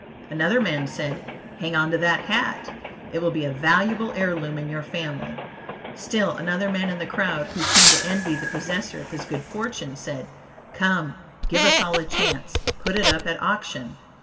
Another man said, "Hang on to that hat, it will be a valuable heir loom in your family." Still another man in the crowd who seemed to envy the possessor of this good fortune, said, "Come, give us all a chance; put it up at auction!"